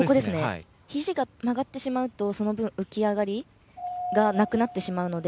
ひじが曲がってしまうとその分、浮き上がりがなくなってしまうので。